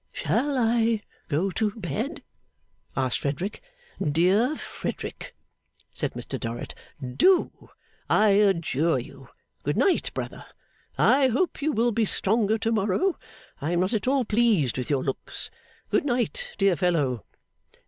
'Shall I go to bed?' asked Frederick. 'Dear Frederick,' said Mr Dorrit, 'do, I adjure you! Good night, brother. I hope you will be stronger to morrow. I am not at all pleased with your looks. Good night, dear fellow.